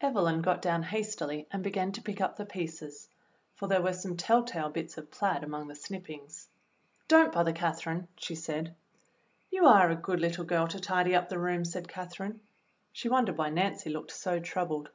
Evelyn got down hastily and began to pick up the EVELYN'S WAR WORK 49 pieces, for there were some telltale bits of plaid among the snippings. "Don't bother, Catherine," she said. "You are a good little girl to tidy up the room," said Catherine. She wondered why Nancy looked so troubled.